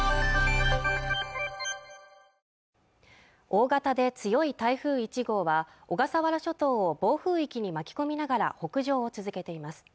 大型で強い台風１号は小笠原諸島を暴風域に巻き込みながら北上を続けています